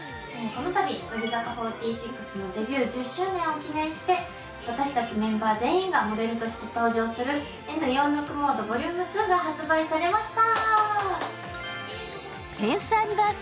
このたび乃木坂４６のデビュー１０周年を記念して、私たちメンバー全員がモデルとして登場する「Ｎ４６モードＶｏｌ２」として発売されました。